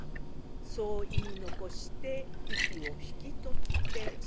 そう言い残して息を引き取ってしまいました。